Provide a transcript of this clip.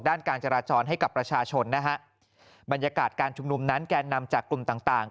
การจราจรให้กับประชาชนนะฮะบรรยากาศการชุมนุมนั้นแกนนำจากกลุ่มต่างต่าง